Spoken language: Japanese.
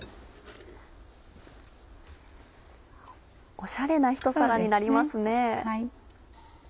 オシャレなひと皿になりますね。